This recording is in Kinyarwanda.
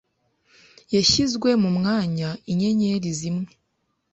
zashyizwe mumwanya inyenyeri zimwe